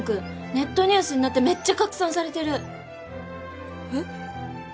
ネットニュースになってめっちゃ拡散されてるえっ？